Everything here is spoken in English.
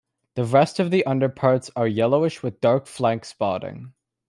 The rest of the underparts are yellowish with dark flank spotting.